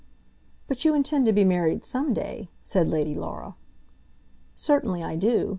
"But you intend to be married some day," said Lady Laura. "Certainly I do.